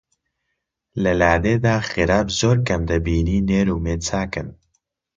لە لادێدا خراب زۆر کەم دەبینی نێر و مێ چاکن